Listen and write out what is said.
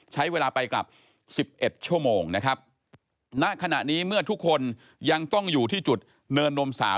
ใช้เวลาไปกลับสิบเอ็ดชั่วโมงนะครับณขณะนี้เมื่อทุกคนยังต้องอยู่ที่จุดเนินนมสาว